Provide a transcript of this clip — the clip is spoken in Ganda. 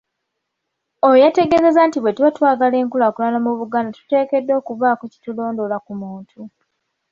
Ono yategeezezza nti bwetuba twagala enkulaakulana mu Buganda tuteekeddwa okubaako kye tulondoola ku muntu.